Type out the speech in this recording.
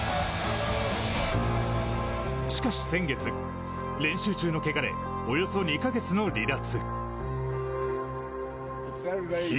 しかし先月、練習中のけがでおよそ２か月の離脱。